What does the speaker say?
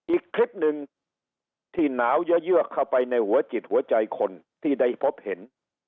อีกคลิปหนึ่งที่หนาวเยอะเข้าไปในหัวจิตหัวใจคนที่ได้พบเห็น